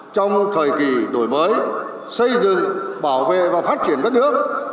trong thời kỳ đổi mới xây dựng bảo vệ và phát triển đất nước